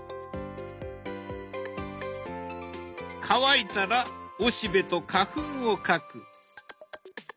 乾いたらおしべと花粉を描く。